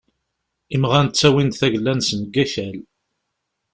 Imɣan ttawin-d tagella-nsen deg wakal.